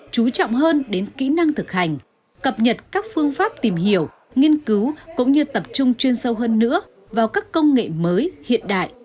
chú trọng hơn đến kỹ năng thực hành cập nhật các phương pháp tìm hiểu nghiên cứu cũng như tập trung chuyên sâu hơn nữa vào các công nghệ mới hiện đại